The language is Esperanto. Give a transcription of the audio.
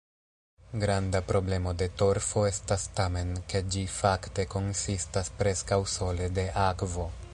Granda problemo de torfo estas tamen, ke ĝi fakte konsistas preskaŭ sole de akvo.